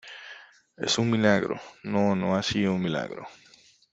es un milagro. no, no ha sido un milagro